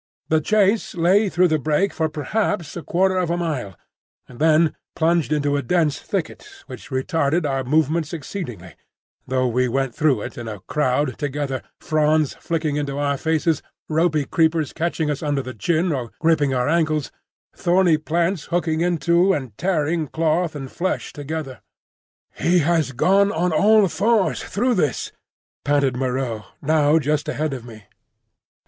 The chase lay through the brake for perhaps a quarter of a mile, and then plunged into a dense thicket, which retarded our movements exceedingly, though we went through it in a crowd together,—fronds flicking into our faces, ropy creepers catching us under the chin or gripping our ankles, thorny plants hooking into and tearing cloth and flesh together. "He has gone on all fours through this," panted Moreau, now just ahead of me.